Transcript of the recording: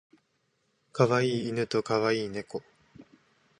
可愛い犬と可愛い猫